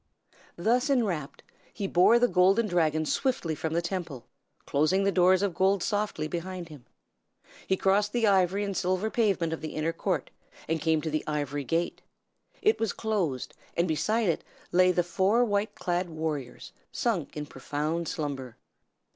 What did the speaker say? Thus enwrapped, he bore the Golden Dragon swiftly from the Temple, closing the doors of gold softly behind him. He crossed the ivory and silver pavement of the inner court, and came to the ivory gate. It was closed, and beside it lay the four white clad warriors, sunk in profound slumber.